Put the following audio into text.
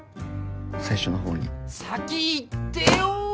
最初の方に先言ってよ